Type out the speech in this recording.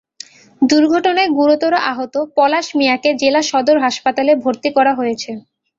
দুর্ঘটনায় গুরুতর আহত পলাশ মিয়াকে জেলা সদর হাসপাতালে ভর্তি করা হয়েছে।